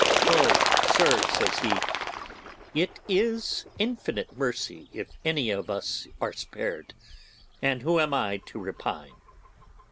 'Oh, sir!' says he, 'it is infinite mercy if any of us are spared, and who am I to repine!